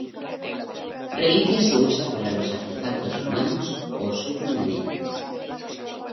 Reliquia se usa para los artefactos humanos o sus remanentes.